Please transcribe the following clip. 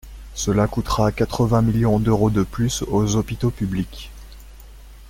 Cela coûtera quatre-vingts millions d’euros de plus aux hôpitaux publics.